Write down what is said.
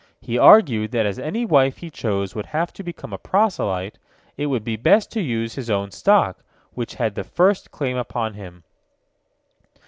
He argued that as any wife he chose would have to become a proselyte, it would be best to use his own stock, which had the first claim upon him.